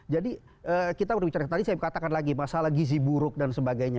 jadi kita berbicara tadi saya katakan lagi masalah gizi buruk dan sebagainya